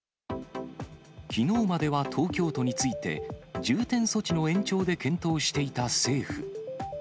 きのうまでは東京都について、重点措置の延長で検討していた政府。